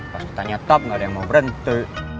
pas kita nyetop gak ada yang mau berhenti